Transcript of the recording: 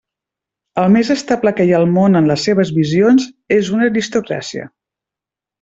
El més estable que hi ha al món en les seves visions és una aristocràcia.